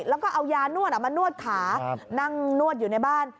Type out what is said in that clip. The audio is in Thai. แล้วก็เอายานวดมานวดขานั่งนวดอยู่ในบ้าน